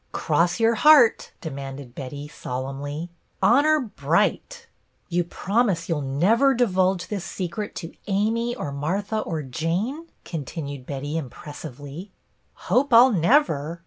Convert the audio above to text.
"Cross your heart," demanded Betty, sol emnly. " Honor bright !"' You promise you 'll never divulge this secret to Amy or Martha or Jane ?" con tinued Betty, impressively. Hope I 'll never